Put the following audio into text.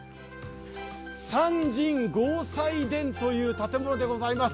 三神合祭殿という建物でございます。